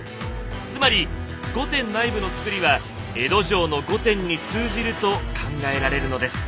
つまり御殿内部の造りは江戸城の御殿に通じると考えられるのです。